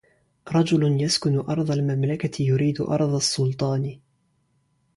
رَجُلٌ يَسْكُنُ أَرْضَ الْمَمْلَكَةِ يُرِيدُ أَرْضَ السُّلْطَانِ